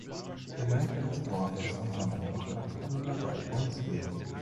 Der Leiter des Dorfes und seine Tochter kamen dabei ums Leben.